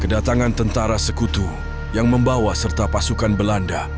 kedatangan tentara sekutu yang membawa serta pasukan belanda